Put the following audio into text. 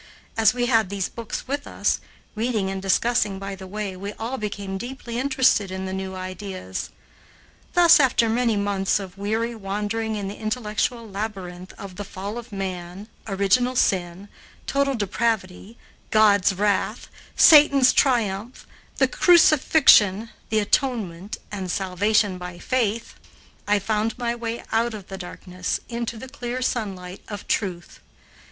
As we had these books with us, reading and discussing by the way, we all became deeply interested in the new ideas. Thus, after many months of weary wandering in the intellectual labyrinth of "The Fall of Man," "Original Sin," "Total Depravity," "God's Wrath," "Satan's Triumph," "The Crucifixion," "The Atonement," and "Salvation by Faith," I found my way out of the darkness into the clear sunlight of Truth.